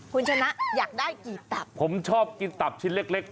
คุณชนะอยากได้กี่ตับผมชอบกินตับชิ้นเล็กเล็ก